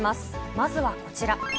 まずはこちら。